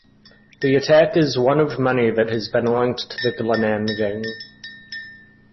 The attack is one of many that has been linked to the Glenanne gang.